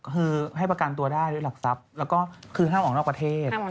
คือให้ประกันตัวได้ด้วยหลักทรัพย์แล้วก็คือห้ามออกนอกประเทศ